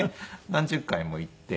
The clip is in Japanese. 何十回も言って。